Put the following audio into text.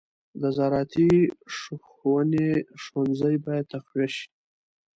د زراعتي ښوونې ښوونځي باید تقویه شي.